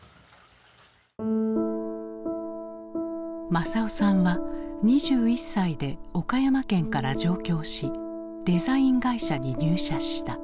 政男さんは２１歳で岡山県から上京しデザイン会社に入社した。